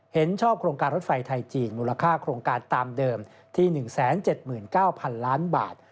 เห็นชอบโครงการรถไฟไทยจีนมูลค่าโครงการตามเดิมที่๑๗๙๐๐๐ล้านบาท